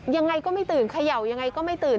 ยังไงก็ไม่ตื่นเขย่ายังไงก็ไม่ตื่น